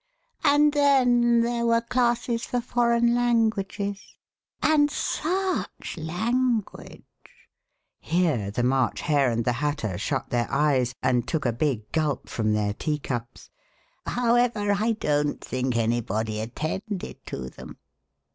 And then there were classes for foreign languages. And such language!" (Here the March Hare and the Hatter shut their eyes and took a big gulp from their tea cups.) However, I don't think anybody attended to them."